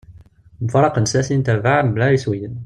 Mfaraqent snat-nni n trebbaɛ mebla iswiyen.